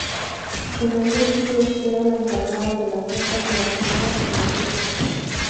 En ambos ciclos era la encargada de las notas relacionadas con el sexo.